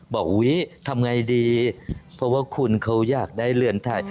อุ๊ยทำไงดีเพราะว่าคุณเขาอยากได้เรือนไทย